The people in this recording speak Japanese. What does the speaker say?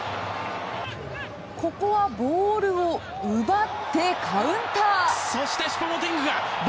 ここはボールを奪ってカウンター。